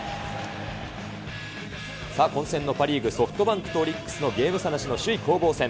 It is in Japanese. さあ混戦のパ・リーグ、ソフトバンクとオリックスのゲーム差なしの首位攻防戦。